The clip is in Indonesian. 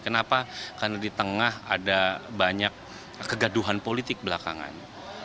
kenapa karena di tengah ada banyak kegaduhan politik belakangan